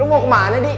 lu mau kemana di